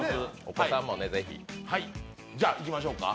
じゃあ、いきましょうか。